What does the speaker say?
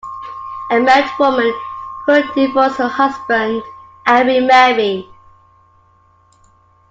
A married woman could divorce her husband and remarry.